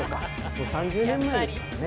もう３０年前ですからね。